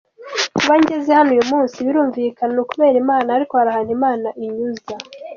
Kuba ngeze hano uyu munsi, birumvikana ni ukubera Imana ariko hari ahantu Imana inyuza.